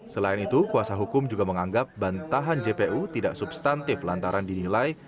selain itu kuasa hukum juga menganggap bantahan jpu tidak substantif lantaran dinilai